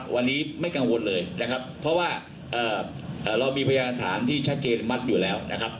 วันนี้ไม่กังวลเลยพอว่าเรามีพยาฐานที่ชัดเจนมัดอยู่แล้ว